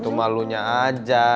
itu malunya aja